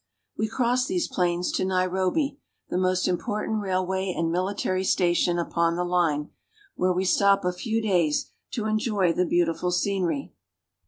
We cross these plains to Nairobi, the most important rail way and military station upon the line, where we stop a few days to enjoy the beautiful scenery.